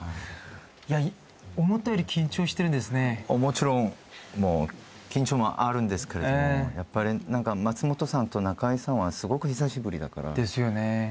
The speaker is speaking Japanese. もちろん緊張もあるんですけれどもやっぱり松本さんと中居さんはすごく久しぶりだから。ですよね。